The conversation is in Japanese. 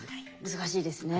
難しいですね。